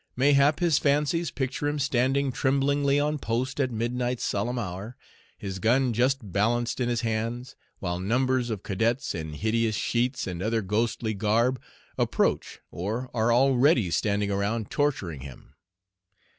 mayhap his fancies picture him standing tremblingly on post at midnight's solemn hour, his gun just balanced in his hands, while numbers of cadets in hideous sheets and other ghostly garb approach or are already standing around torturing him.